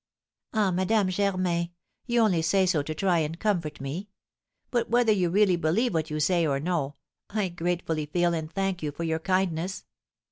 "Ah, Madame Germain, you only say so to try and comfort me; but whether you really believe what you say or no, I gratefully feel and thank you for your kindness.